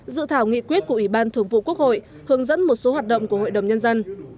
dự thảo nghị quyết của ủy ban thường vụ quốc hội hướng dẫn một số hoạt động của hội đồng nhân dân